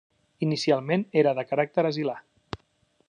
Inicialment era de caràcter asilar.